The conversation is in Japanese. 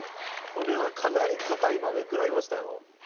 これはかなり硬い豆食らいましたよ。